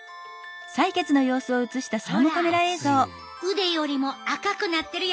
腕よりも赤くなってるやろ。